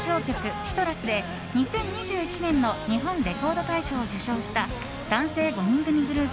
「ＣＩＴＲＵＳ」で２０２１年の日本レコード大賞を受賞した男性５人組グループ